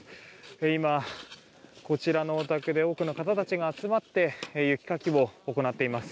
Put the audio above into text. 今、こちらのお宅で多くの方たちが集まって雪かきを行っています。